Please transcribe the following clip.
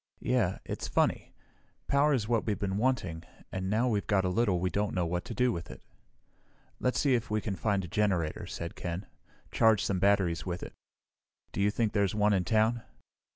"Yeah. It's funny, power is what we've been wanting, and now we've got a little we don't know what to do with it." "Let's see if we can find a generator," said Ken. "Charge some batteries with it. Do you think there's one in town?"